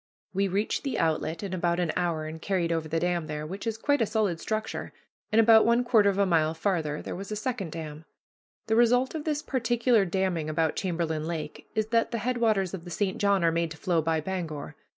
We reached the outlet in about an hour, and carried over the dam there, which is quite a solid structure, and about one quarter of a mile farther there was a second dam. The result of this particular damming about Chamberlain Lake is that the headwaters of the St. John are made to flow by Bangor.